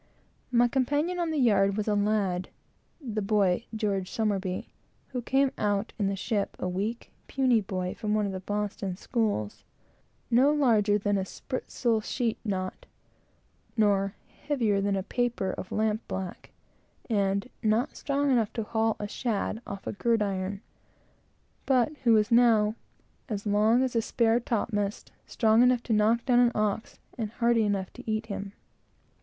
My companion on the yard was a lad, who came out in the ship a weak, puny boy, from one of the Boston schools, "no larger than a spritsail sheet knot," nor "heavier than a paper of lamp black," and "not strong enough to haul a shad off a gridiron," but who was now "as long as a spare topmast, strong enough to knock down an ox, and hearty enough to eat him."